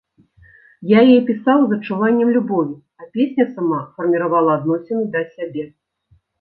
Я яе пісаў з адчуваннем любові, а песня сама фарміравала адносіны да сябе.